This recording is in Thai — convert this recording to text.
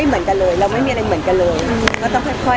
ก็คือมันไม่เหมือนกันจริง